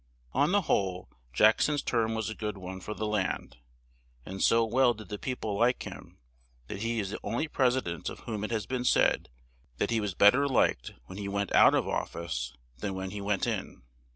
On the whole, Jack son's term was a good one for the land; and so well did the peo ple like him, that he is the on ly pres i dent of whom it has been said that he was bet ter liked when he went out of of fice than when he went in.